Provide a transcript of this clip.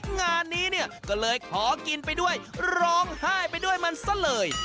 งานนี้เนี่ยก็เลยขอกินไปด้วยร้องไห้ไปด้วยมันซะเลย